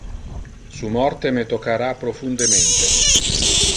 Su morte me toccara profundemente.